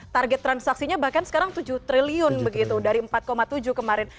target transaksinya bahkan sekarang tujuh triliun begitu dari empat tujuh kemarin